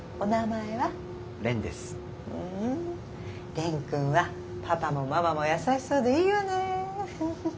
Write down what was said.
蓮くんはパパもママも優しそうでいいわね。